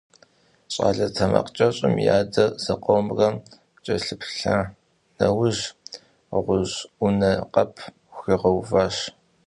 ЩӀалэ тэмакъкӀэщӀым и адэр зыкъомрэ кӀэлъыплъа нэужь, гъущӀ Ӏунэ къэп хуигъэуващ.